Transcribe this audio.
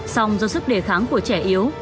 song do sức đề kháng của trẻ yếu